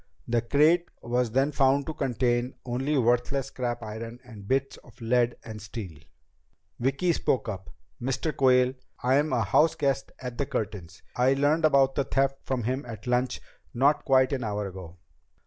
The crate was then found to contain only worthless scrap iron and bits of lead and steel." Vicki spoke up. "Mr. Quayle, I'm a house guest at the Curtins'. I learned about the theft from him at lunch, not quite an hour ago."